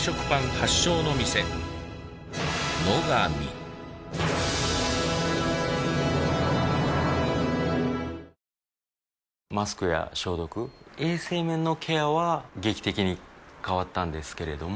このあと、まるでドラマのセマスクや消毒衛生面のケアは劇的に変わったんですけれども